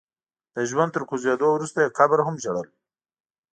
د ژوند تر کوزېدو وروسته يې قبر هم ژړل.